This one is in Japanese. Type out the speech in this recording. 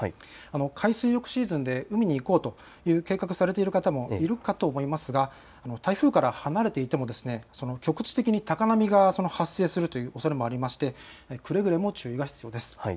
海水浴シーズンで海に行こうと計画されている方もいるかもしれませんが台風から離れていても局地的に高波が発生するおそれもあって、くれぐれも注意が必要です。